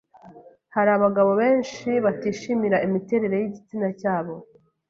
hari abagabo benshi batishimira imiterere y’igitsina cyabo